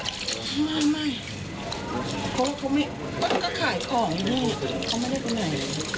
เขาก็ขายของอยู่นี่เขาไม่ได้ไปไหน